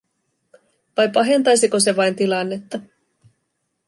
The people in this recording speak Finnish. Vai pahentaisiko se vain tilannetta?